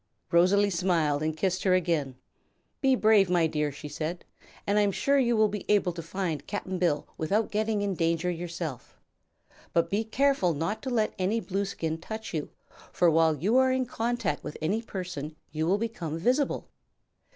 Rosalie smiled and kissed her again. "Be brave, my dear," she said, "and I am sure you will be able to find Cap'n Bill without getting in danger yourself. But be careful not to let any Blueskin touch you, for while you are in contact with any person you will become visible.